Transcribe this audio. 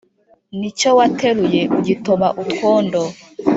Ni cyo wateruye ugitoba utwondo